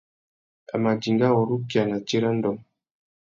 A mà dinga urukia a nà tsirândone.